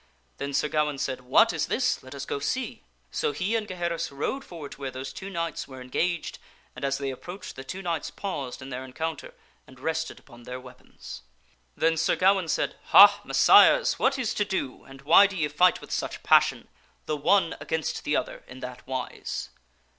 Then Sir Gawaine said, " What is this? Let us go see." So he and Gaheris rode forward to where those two knights were The behold en g a g e d> an d as they approached, the two knights paused in two knights their encounter, and rested upon their weapons. Then Sir fighting. Gawaine said, " Ha ! Messires, what is to do and why do ye fight with such passion, the one against the other, in that wise?"